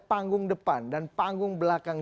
panggung depan dan panggung belakang